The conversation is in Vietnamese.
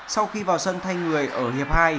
sau khi vào sân thay người ở hiệp hai